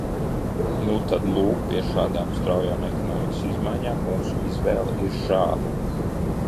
Nu tad, lūk, pie šādām straujām ekonomikas izmaiņām mūsu izvēle ir šāda.